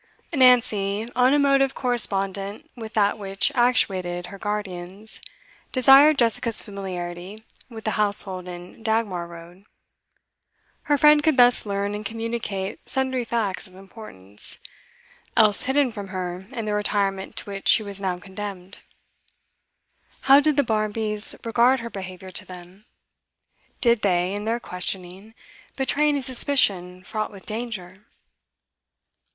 Nancy, on a motive correspondent with that which actuated her guardians, desired Jessica's familiarity with the household in Dagmar Road; her friend could thus learn and communicate sundry facts of importance, else hidden from her in the retirement to which she was now condemned. How did the Barmbys regard her behaviour to them? Did they, in their questioning, betray any suspicion fraught with danger?